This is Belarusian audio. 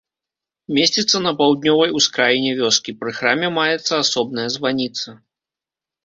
Месціцца на паўднёвай ускраіне вёскі, пры храме маецца асобная званіца.